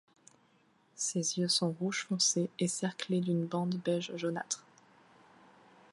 Ses yeux sont rouge foncé et cerclés d'une bande beige jaunâtre.